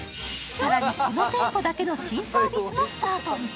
更にこの店舗だけの新サービスもスタート。